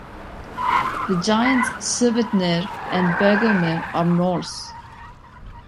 The giants Surtvitnir and Bergelmir are Norse.